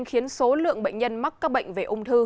khiến số lượng bệnh nhân mắc các bệnh về ung thư